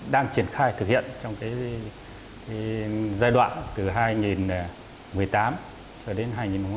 đang triển khai thực hiện trong giai đoạn từ hai nghìn một mươi tám cho đến hai nghìn hai mươi